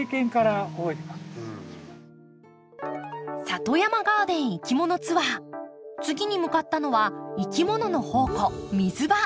里山ガーデンいきものツアー次に向かったのはいきものの宝庫水場。